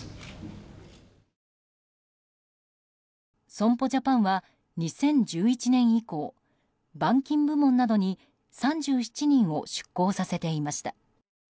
損保ジャパンは２０１１年以降板金部門などに３７人を出向させていました。